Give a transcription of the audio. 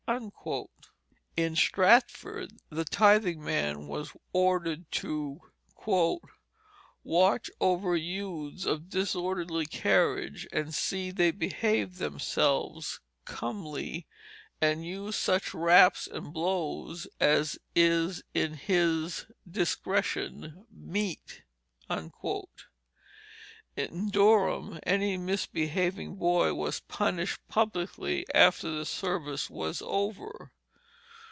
In Stratford the tithing man was ordered to "watch over youths of disorderly carriage, and see they behave themselves comelie, and use such raps and blows as is in his discretion meet." In Durham any misbehaving boy was punished publicly after the service was over.